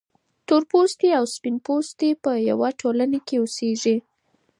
تورپوستي او سپین پوستي په یوه ټولنه کې اوسیږي.